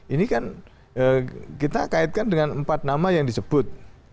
ini kan kita kaitkan dengan empat nama yang disebut